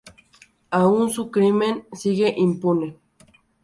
Aún su crimen sigue impune.